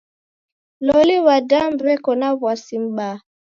Loli w'adamu w'eko na w'asi m'baa.